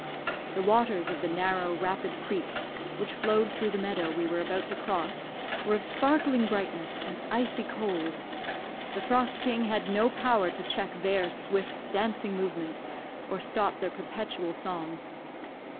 The waters of the narrow, rapid creek, which flowed through the meadow we were about to cross, were of sparkling brightness, and icy cold. The frost king had no power to check their swift, dancing movements, or stop their perpetual song.